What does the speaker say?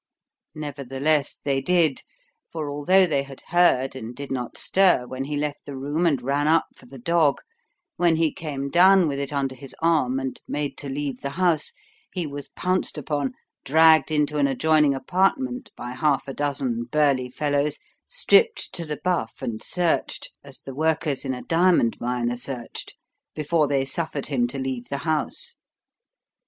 Nevertheless they did, for although they had heard and did not stir when he left the room and ran up for the dog, when he came down with it under his arm and made to leave the house, he was pounced upon, dragged into an adjoining apartment by half a dozen burly fellows, stripped to the buff, and searched, as the workers in a diamond mine are searched, before they suffered him to leave the house.